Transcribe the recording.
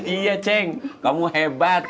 iya ceng kamu hebat